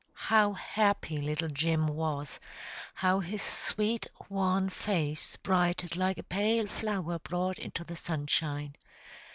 How happy little Jim was! How his sweet wan face brightened like a pale flower brought into the sunshine!